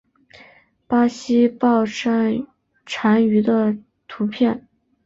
巴西豹蟾鱼的图片